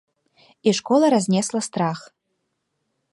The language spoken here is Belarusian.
І школа разнесла страх.